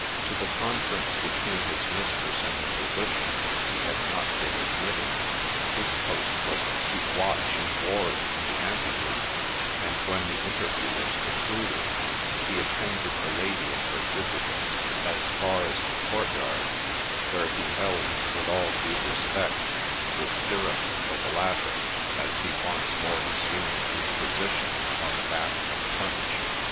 To the conference between his mistress and the physician he had not been admitted ; his post was to keep watch and ward in the ante room ; and, when the interview was con cluded, he attended the lady and her visitor as far as the court yard, where he held, with all due respect, the stirrup for the latter, as he once more resumed his position on the back of Punch.